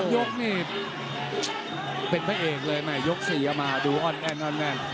๓ยกเนี่ยเป็นแม่เอกเลยยก๔เอามาดูออนแอนด์